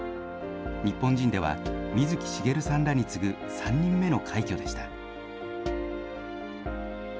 日本人では水木しげるさんらに次ぐ３人目の快挙でした。